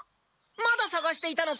まださがしていたのか。